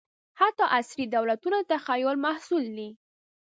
حتی عصري دولتونه د تخیل محصول دي.